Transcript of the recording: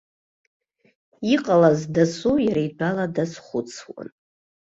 Иҟалаз дасу иара итәала дазхәыцуан.